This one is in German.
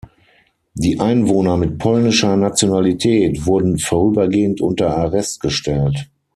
Die Einwohner mit polnischer Nationalität wurden vorübergehend unter Arrest gestellt.